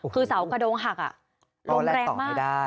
คือเสากระโดงหักลมแรงมาก